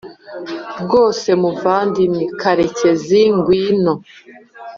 ”rwose muvandimwe karekezi ngwino